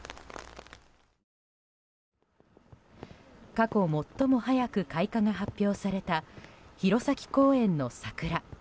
過去最も早く開花が発表された弘前公園の桜。